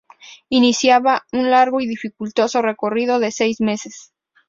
Iniciaba un largo y dificultoso recorrido de seis meses.